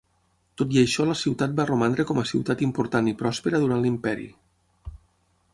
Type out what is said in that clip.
Tot i això la ciutat va romandre com a ciutat important i prospera durant l'imperi.